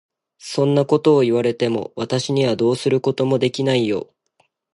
そんなことを言われても、私にはどうすることもできないよ。